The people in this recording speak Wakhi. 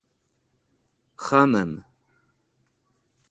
Khamẽm.